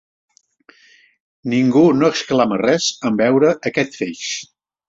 Ningú no exclama res en veure aquest feix.